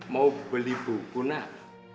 mau beli buku nak